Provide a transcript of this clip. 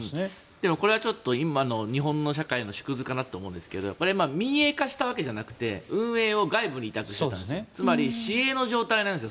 でもこれは今の日本の社会の縮図かなと思うんですがこれは民営化したわけじゃなくて運営を外部に委託していたつまり、市営の状態なんです。